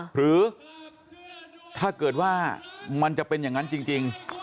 หรือถ้าเกิดว่ามันจะเป็นอย่างนั้นจริง